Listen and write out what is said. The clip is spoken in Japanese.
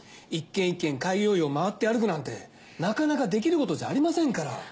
一軒一軒開業医を回って歩くなんてなかなかできることじゃありませんから。